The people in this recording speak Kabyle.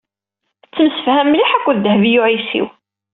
Tettemsefham mliḥ akked Dehbiya u Ɛisiw.